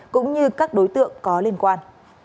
cũng như các đối tượng có liên quan